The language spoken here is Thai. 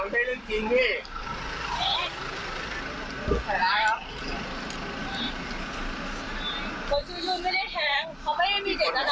แค่ไปเอาข่อโหล